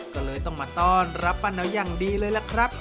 ก็เลยต้องมาต้อนรับป้าเนาอย่างดีเลยล่ะครับ